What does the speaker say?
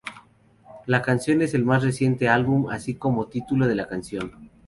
La canción es del más reciente álbum, así como el título de la canción.